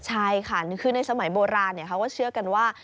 ใช่ค่ะคือในสมัยโบราณเขาก็เชื่อกันว่า